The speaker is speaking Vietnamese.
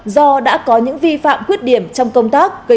do đã có những vi phạm khuyết điểm trong công tác